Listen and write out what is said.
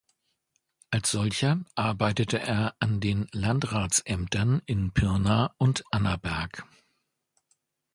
Als solcher arbeitete er an den Landratsämtern in Pirna und Annaberg.